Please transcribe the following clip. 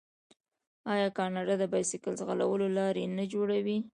آیا کاناډا د بایسکل ځغلولو لارې نه جوړوي؟